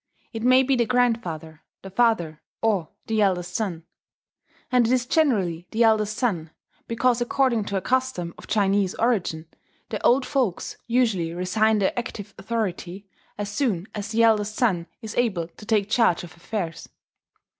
It may be the grandfather, the father, or the eldest son; and it is generally the eldest son, because according to a custom of Chinese origin, the old folks usually resign their active authority as soon as the eldest son is able to take charge of affairs.